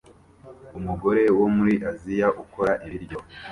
Umugore wo muri Aziya ukora ibiryo